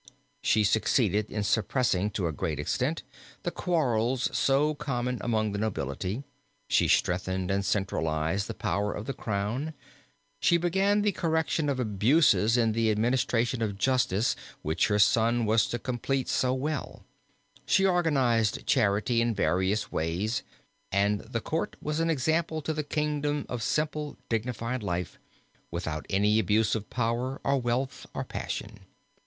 She succeeded in suppressing to a great extent the quarrels so common among the nobility, she strengthened and centralized the power of the crown, she began the correction of abuses in the administration of justice which her son was to complete so well, she organized charity in various ways, and the court was an example to the kingdom of simple dignified life, without any abuse of power, or wealth, or passion.